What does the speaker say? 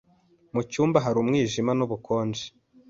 Mu cyumba hari umwijima n'ubukonje.